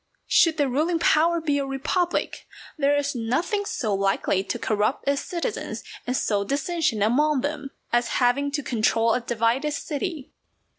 Should the ruling power be a republic, there is nothing so likely to corrupt its citizens and sow dissension among them, as having to control a divided city.